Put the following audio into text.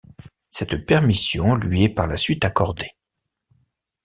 Cette permission lui est par la suite accordée.